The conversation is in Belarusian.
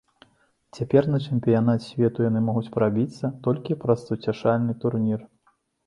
Цяпер на чэмпіянат свету яны могуць прабіцца толькі праз суцяшальны турнір.